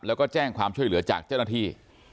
แล้วก็แจ้งความช่วยเหลือจากเจ้าหน้าที่